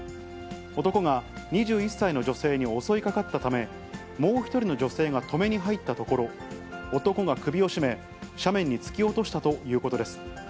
男が２１歳の女性に襲いかかったため、もう１人の女性が止めに入ったところ、男が首を絞め、斜面に突き落としたということです。